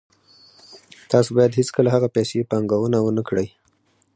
تاسو باید هیڅکله هغه پیسې پانګونه ونه کړئ